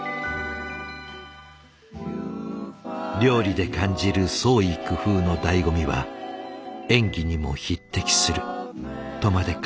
料理で感じる創意工夫のだいご味は演技にも匹敵するとまで語った梅宮。